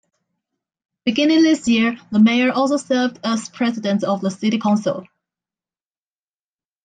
Beginning this year, the mayor also served as president of the City Council.